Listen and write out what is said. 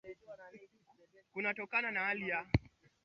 kunatokana na hali ya